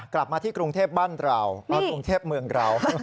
กลับมาที่กรุงเทพบ้านเรากรุงเทพเมืองเรา